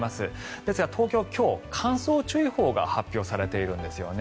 ですが東京は今日乾燥注意報が発表されているんですよね。